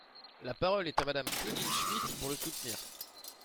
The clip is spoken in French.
La parole est à Madame Claudine Schmid, pour le soutenir.